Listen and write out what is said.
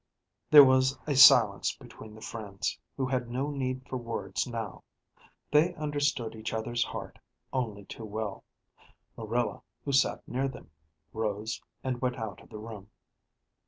There was a silence between the friends, who had no need for words now; they understood each other's heart only too well. Marilla, who sat near them, rose and went out of the room.